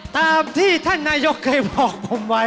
ตามที่ท่านนายกเคยบอกผมไว้